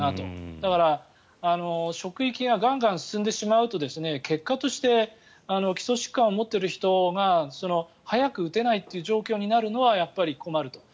だから、職域がガンガン進んでしまうと結果として基礎疾患を持っている人が早く打てないという状況になるのはやっぱり困ると。